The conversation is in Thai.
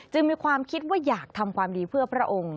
มีความคิดว่าอยากทำความดีเพื่อพระองค์